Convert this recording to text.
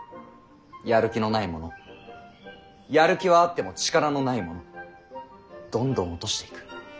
やる気のない者やる気はあっても力のない者どんどん落としていく。